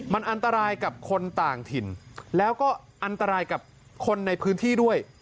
มันอันตรายกับคนต่างถิ่นแล้วก็อันตรายกับคนในพื้นที่ด้วย